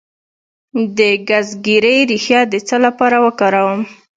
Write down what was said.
د ګزګیرې ریښه د څه لپاره وکاروم؟